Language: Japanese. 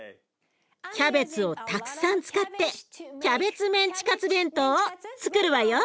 キャベツをたくさん使ってキャベツメンチカツ弁当をつくるわよ。